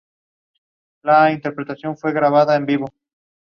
Many celebrities of the country have arrived in the museum.